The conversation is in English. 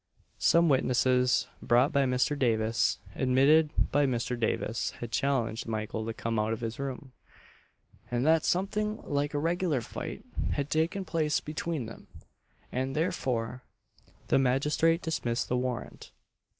Some witnesses brought by Mr. Davis, admitted that Mr. Davis had challenged Mykle to come out of his room, and that something like a regular fight had taken place between them; and, therefore, the magistrate dismissed the warrant.